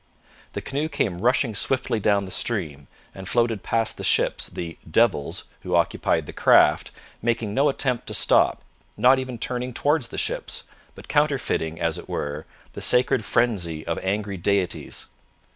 The canoe came rushing swiftly down the stream, and floated past the ships, the 'devils' who occupied the craft making no attempt to stop, not even turning towards the ships, but counterfeiting, as it were, the sacred frenzy of angry deities.